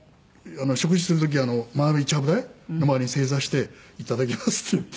食事する時丸いちゃぶ台の前に正座していただきますって言って。